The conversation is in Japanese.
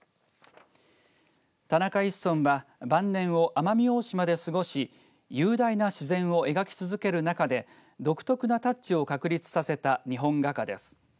田中一村は晩年を奄美大島で過ごし雄大な自然を描き続ける中で独特なタッチを確立させた日本画家です。